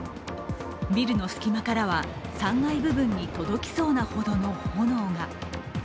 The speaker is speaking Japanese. ビルの隙間からは３階部分に届きそうなほどの炎が。